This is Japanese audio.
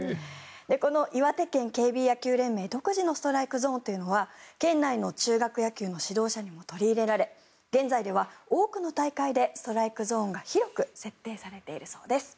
この岩手県ＫＢ野球連盟独自のストライクゾーンというのは県内の中学野球の指導者にも取り入れられ現在では多くの大会でストライクゾーンが広く設定されているそうです。